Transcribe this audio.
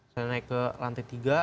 saya naik ke lantai tiga